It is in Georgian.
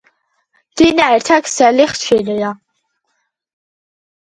მდინარეთა ქსელი ხშირია.